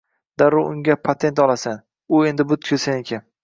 darrov unga patent olasan: u endi butkul seniki.